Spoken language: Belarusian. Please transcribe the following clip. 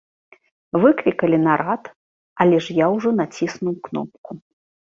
Выклікалі нарад, але ж я ўжо націснуў кнопку.